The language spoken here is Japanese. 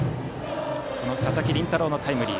佐々木麟太郎のタイムリー。